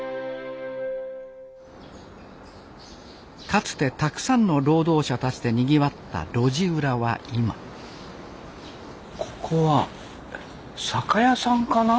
かつてたくさんの労働者たちでにぎわった路地裏は今ここは酒屋さんかな？